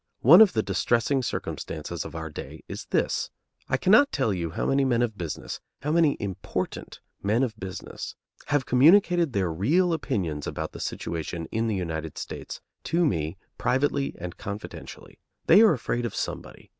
One of the distressing circumstances of our day is this: I cannot tell you how many men of business, how many important men of business, have communicated their real opinions about the situation in the United States to me privately and confidentially. They are afraid of somebody.